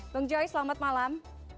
bang joy selamat malam